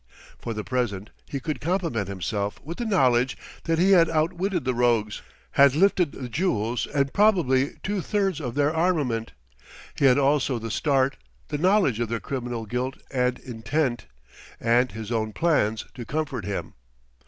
For the present he could compliment himself with the knowledge that he had outwitted the rogues, had lifted the jewels and probably two thirds of their armament; he had also the start, the knowledge of their criminal guilt and intent, and his own plans, to comfort him.